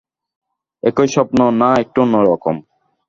একই স্বপ্ন, না একটু অন্য রকম?